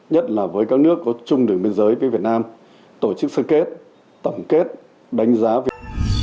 nhất là với các nước có chung đường biên giới với việt nam tổ chức sơ kết tẩm kết đánh giá về